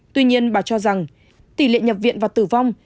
tuy nhiên bà cho rằng tỷ lệ nhập viện và tử vong